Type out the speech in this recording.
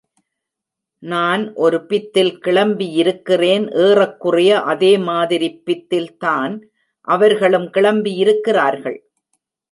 நான் ஒரு பித்தில் கிளம்பியிருக்கிறேன் ஏறக்குறைய அதே மாதிரிப் பித்தில் தான் அவர்களும் கிளம்பியிருக்கிறார்கள்.